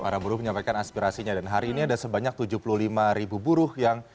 para buruh menyampaikan aspirasinya dan hari ini ada sebanyak tujuh puluh lima ribu buruh yang